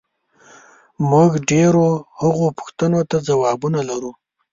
موږ ډېرو هغو پوښتنو ته ځوابونه لرو،